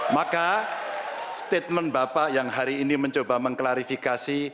maka statement bapak yang hari ini mencoba mengklarifikasi